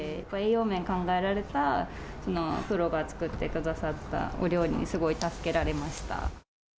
栄養面考えられたプロが作ってくださったお料理にすごい助けられました。